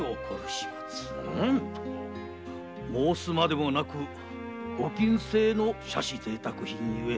申すまでもなくご禁制の奢侈贅沢品ゆえ